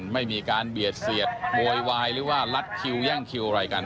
ไม่มีการเบียดเสียดโวยวายหรือว่าลัดคิวแย่งคิวอะไรกัน